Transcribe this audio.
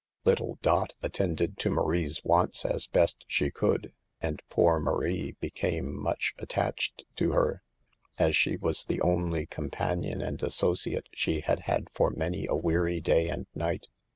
Little Dot attended to Marie's wants as THE EVILS OF DANCING. 89 best she could, and poor Marie became much attached to her, as she was the only companion and associate she had had for many a weary day and night.